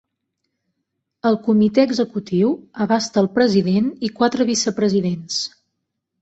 El comitè executiu abasta al president i quatre vicepresidents.